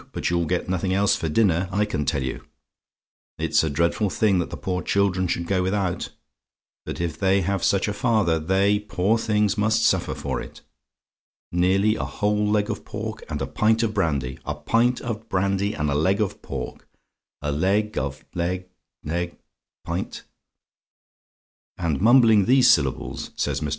but you'll get nothing else for dinner, I can tell you. It's a dreadful thing that the poor children should go without, but if they have such a father, they, poor things, must suffer for it. "Nearly a whole leg of pork and a pint of brandy! A pint of brandy and a leg of pork. A leg of leg leg pint " "And mumbling the syllables," says Mr. Caudle's MS., "she went to sleep." LECTURE VI MR.